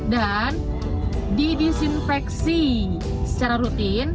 dan didisinfeksi secara rutin